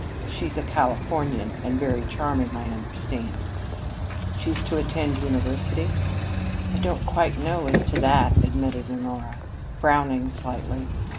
She's a Californian, and very charming, I understand." "She's to attend the University?" "I don't quite know as to that," admitted Honora, frowning slightly.